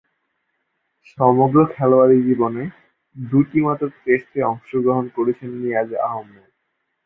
সমগ্র খেলোয়াড়ী জীবনে দুইটিমাত্র টেস্টে অংশগ্রহণ করেছেন নিয়াজ আহমেদ।